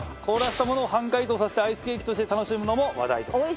凍らせたものを半解凍させてアイスケーキとして楽しむのも話題と。